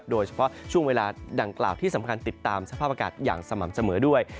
ช่วงเวลาดังกล่าวที่สำคัญติดตามสภาพอากาศอย่างสม่ำเสมอด้วย